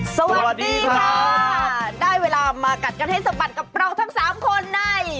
สวัสดีค่ะได้เวลามากัดกันให้สะบัดกับเราทั้งสามคนใน